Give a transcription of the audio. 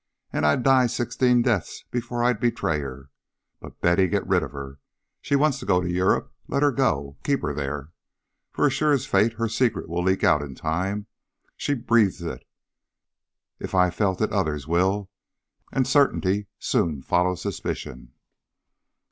And I'd die sixteen deaths before I'd betray her. But, Betty, get rid of her. She wants to go to Europe. Let her go. Keep her there. For as sure as fate her secret will leak out in time. She breathes it. If I felt it, others will, and certainty soon follows suspicion.